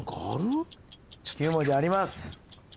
９文字あります。